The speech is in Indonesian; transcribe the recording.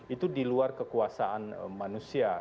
itu di luar kekuasaan manusia